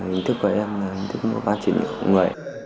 ý thức của em là ý thức mua bán chuyển nhiều người